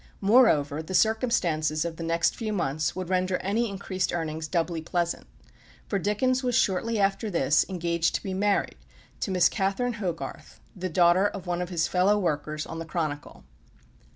Moreover the circumstances of the next few months would render any increased earnings doubly pleasant. For Dickens was shortly after this engaged to be married to Miss Catherine Hogarth, the daughter of one of his fellow workers on the Chronicle.